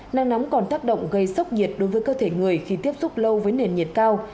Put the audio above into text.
nắng nóng còn tác động gây sốc nhiệt đối với cơ thể người khi tiếp xúc lâu với nền nhiệt cao